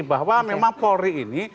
bahwa memang polri ini